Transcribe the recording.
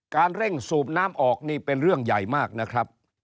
เร่งสูบน้ำออกนี่เป็นเรื่องใหญ่มากนะครับ